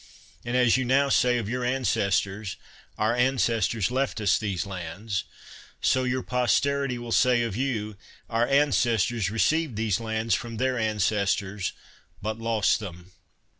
And, as you now say of your ancestors, Our ancestors left us these lands/* so your posterity will say of you, 84 CICERO *'Our ancestors received these lands from their ancestors, but lost them.